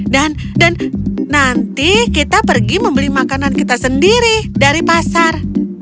nanti kita pergi membeli makanan kita sendiri dari pasar